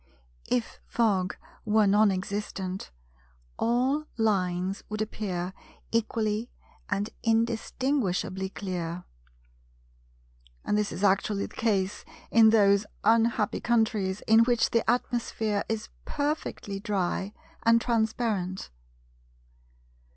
If Fog were non existent, all lines would appear equally and indistinguishably clear; and this is actually the case in those unhappy countries in which the atmosphere is perfectly dry and transparent.